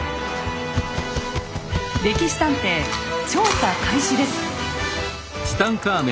「歴史探偵」調査開始です。